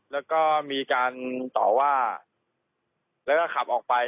แล้วก็มีการต่อว่าแล้วก็ขับออกไป